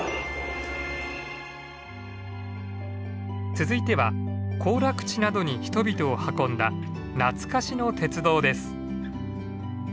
続いては行楽地などに人々を運んだ懐かしの鉄道です。